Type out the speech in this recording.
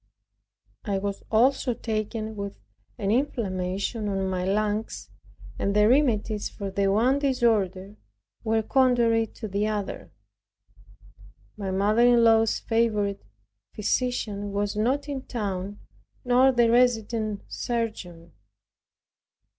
I was also taken with an inflammation on my lungs, and the remedies for the one disorder were contrary to the other. My mother in law's favorite physician was not in town, nor the resident surgeon.